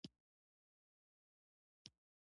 ژبه باید د ميني ژبه وي.